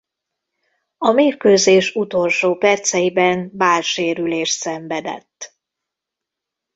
A mérkőzés utolsó perceiben vállsérülést szenvedett.